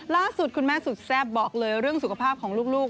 ล่าสุดคุณแม่สุดแซ่บบอกเลยเรื่องสุขภาพของลูก